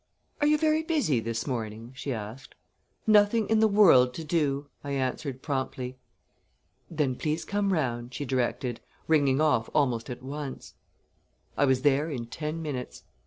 "Are you very busy this morning?" she asked. "Nothing in the world to do!" I answered promptly. "Then please come round," she directed, ringing off almost at once. I was there in ten minutes.